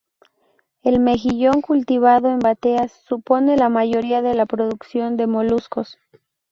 El mejillón cultivado en bateas supone la mayoría de la producción de moluscos.